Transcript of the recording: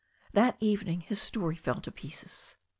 That evening his story fell to pieces.